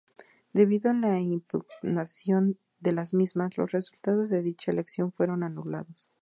Debido a la impugnación de las mismas, los resultados de dicha elección fueron anulados.